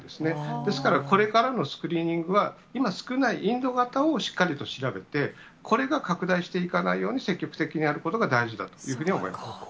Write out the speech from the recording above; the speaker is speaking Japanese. ですから、これからのスクリーニングは、今少ないインド型をしっかりと調べて、これが拡大していかないように、積極的にやることが大事だというふうには思います。